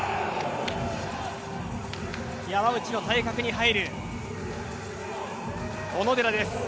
山内の対角に入る小野寺です。